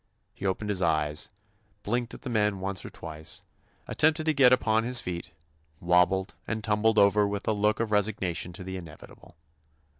He opened his eyes, blinked at the men once or twice, attempted to get upon his feet, wobbled, and tumbled over with a look of resignation to the inevitable.